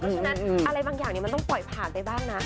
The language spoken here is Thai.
เพราะฉะนั้นอะไรบางอย่างมันต้องปล่อยผ่านไปบ้างนะ